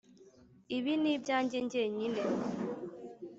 ibi ni ibyanjye njyenyine.